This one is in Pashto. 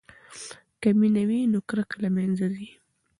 که مینه وي نو کرکه له منځه ځي.